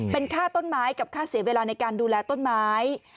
เป็นค่าต้นไม้กับค่าเสียเวลาในการดูแลต้นไม้